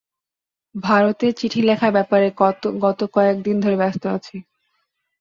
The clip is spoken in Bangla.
ভারতের চিঠি লেখার ব্যাপারে গত কয়েকদিন ধরে ব্যস্ত আছি।